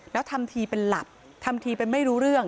แล้วทำทีเป็นหลับทำทีเป็นไม่รู้เรื่อง